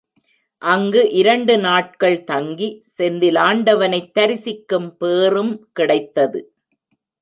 அங்கு இரண்டு நாட்கள் தங்கி செந்திலாண்டவனைத் தரிசிக்கும் பேறும் கிடைத்தது.